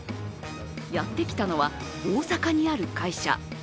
やってきたのは大阪にある会社。